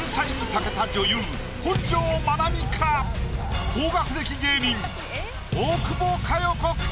高学歴芸人大久保佳代子か？